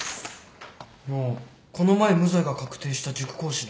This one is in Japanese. この前無罪が確定した塾講師の。